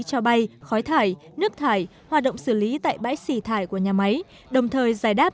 cho bay khói thải nước thải hoạt động xử lý tại bãi xỉ thải của nhà máy đồng thời giải đáp